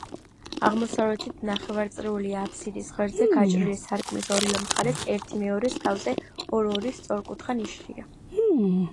აღმოსავლეთით ნახევარწრიული აბსიდის ღერძზე გაჭრილი სარკმლის ორივე მხარეს, ერთიმეორის თავზე, ორ-ორი სწორკუთხა ნიშია.